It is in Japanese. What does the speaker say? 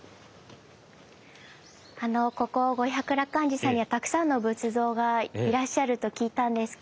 ここ五百羅漢寺さんにはたくさんの仏像がいらっしゃると聞いたんですが。